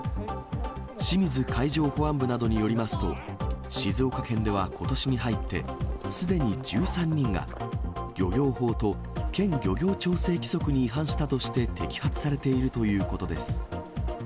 清水海上保安部などによりますと、静岡県ではことしに入って、すでに１３人が漁業法と県漁業調整規則に違反したとして摘発されているということです。